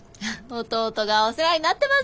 弟がお世話になってます。